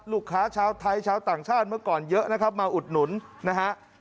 ลูกค้าชาวไทยชาวต่างชาติเมื่อก่อนเยอะนะครับมาอุดหนุนนะฮะ